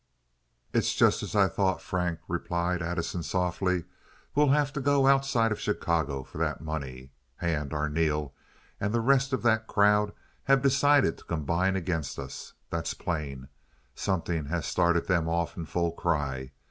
"It's just as I thought, Frank," replied Addison, softly. "We'll have to go outside of Chicago for that money. Hand, Arneel, and the rest of that crowd have decided to combine against us. That's plain. Something has started them off in full cry.